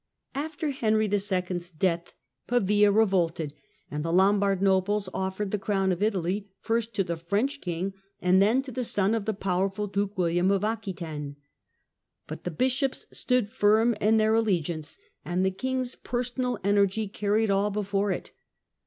After Henry II.'s death Pavia revolted and the Lombard nobles offered the crown of Italy first to the French king, and then to the son of the powerful Duke William of Aquitaine. But the bishops stood firm in their allegiance, and the king's personal energy carried all before it.